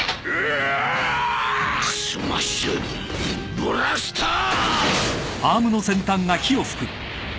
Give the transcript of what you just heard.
スマッシュブラスター！